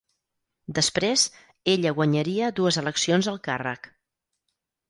Després, ella guanyaria dues eleccions al càrrec.